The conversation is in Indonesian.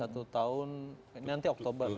satu tahun nanti oktober